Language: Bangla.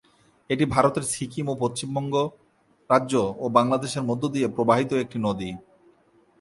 এটি ভারতের সিকিম ও পশ্চিমবঙ্গ রাজ্য ও বাংলাদেশের মধ্যে দিয়ে প্রবাহিত একটি নদী।